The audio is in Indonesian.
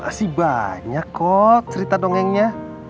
kasih banyak kok cerita dongengnya